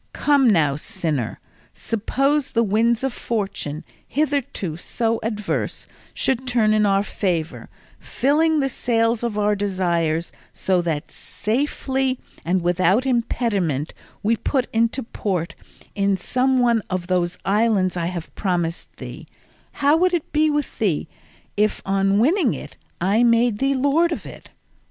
Come now, sinner, suppose the wind of fortune, hitherto so adverse, should turn in our favour, filling the sails of our desires so that safely and without impediment we put into port in some one of those islands I have promised thee, how would it be with thee if on winning it I made thee lord of it?